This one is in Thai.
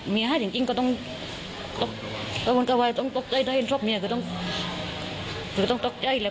เมียให้จริงก็ต้องตกใจถ้าเห็นทรัพย์เมียก็ต้องตกใจเลย